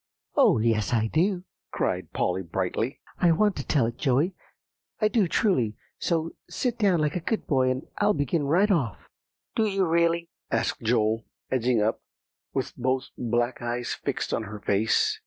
"Oh, yes I do!" cried Polly brightly. "I want to tell it, Joey, I do truly; so sit down like a good boy, and I'll begin right off." "Do you really?" asked Joel, edging up, with both black eyes fixed on her face.